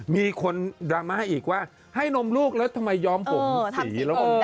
มีคนดราม่าอีกว่าให้นมลูกแล้วทำไมยอมผมสีแล้วก็